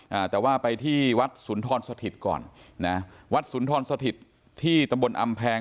อ่าแต่ว่าไปที่วัดสุนทรสถิตก่อนนะวัดสุนทรสถิตที่ตำบลอำแพง